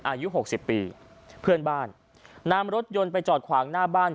อายุหกสิบปีเพื่อนบ้านนำรถยนต์ไปจอดขวางหน้าบ้าน